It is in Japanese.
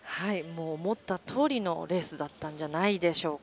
思ったとおりのレースだったんじゃないでしょうか。